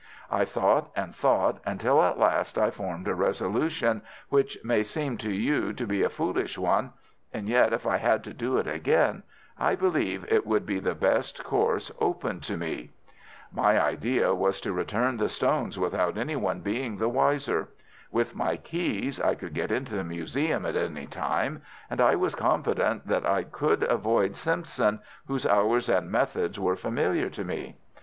I thought and thought, until at last I formed a resolution which may seem to you to be a foolish one, and yet, if I had to do it again, I believe it would be the best course open to me. "My idea was to return the stones without any one being the wiser. With my keys I could get into the museum at any time, and I was confident that I could avoid Simpson, whose hours and methods were familiar to me.